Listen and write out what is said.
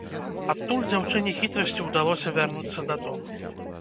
Адтуль дзяўчыне хітрасцю ўдалося вярнуцца дадому.